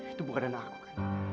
itu bukan anak aku kan